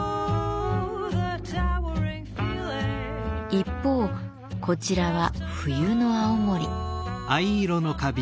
一方こちらは冬の青森。